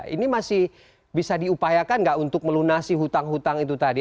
ini masih bisa diupayakan nggak untuk melunasi hutang hutang itu tadi